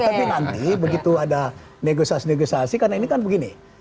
tapi nanti begitu ada negosiasi negosiasi karena ini kan begini